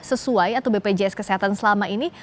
sesuai atau bpjs kesehatan selama ini